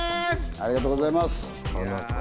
ありがとうございます。